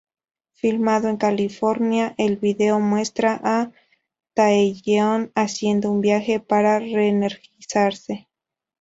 Filmado en California, el vídeo muestra a Taeyeon haciendo un viaje para re-energizarse.